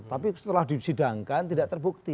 tapi setelah disidangkan tidak terbukti